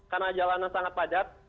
karena jalan sangat padat